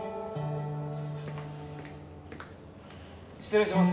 失礼します。